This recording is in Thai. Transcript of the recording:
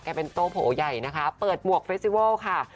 แกเป็นโตโผโย่นเปิดมวกเฟซิวอลค่ะ